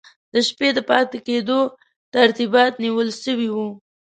د شپې د پاته کېدلو ترتیبات نیول سوي وو.